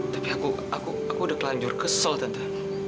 tapi aku udah kelanjur kesel tentu